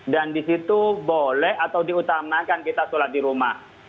dan di situ boleh atau diutamakan kita sholat di rumah